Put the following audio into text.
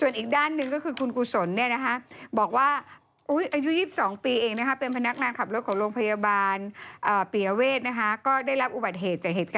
แว้นเมื่อก่อนเด็กแว้นมันยังมีปืนหรือ